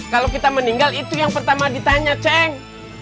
kalau kita meninggal itu yang pertama ditanya ceng